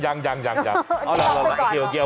เอาล่ะมาเกี่ยว